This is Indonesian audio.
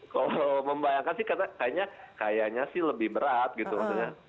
kalau membayangkan sih kayaknya sih lebih berat gitu maksudnya